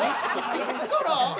いつから？